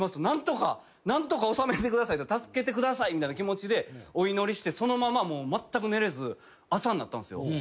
何とか何とか収めてください助けてくださいみたいな気持ちでお祈りしてそのままもうまったく寝れず朝になったんですよ。